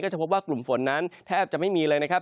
จะพบว่ากลุ่มฝนนั้นแทบจะไม่มีเลยนะครับ